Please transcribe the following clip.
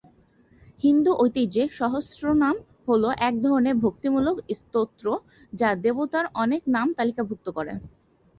হিন্দু ঐতিহ্যে সহস্রনাম হল এক ধরনের ভক্তিমূলক স্তোত্র যা দেবতার অনেক নাম তালিকাভুক্ত করে।